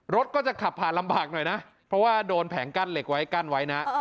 รถก็จะขับผ่านลำบากหน่อยนะเพราะว่าโดนแผงกั้นเหล็กไว้กั้นไว้นะ